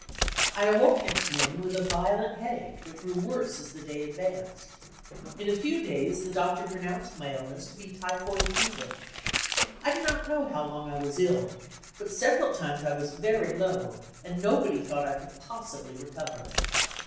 I awoke next morning with a violent headache that grew worse as the day advanced. In a few days the doctor pro nounced my illness to be typhoid fever. I do not know bow long I was ill, but several times I was very low and nobody thought I could possibly recover.